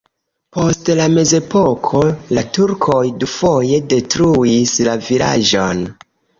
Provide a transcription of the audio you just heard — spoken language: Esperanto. Post la mezepoko la turkoj dufoje detruis la vilaĝon.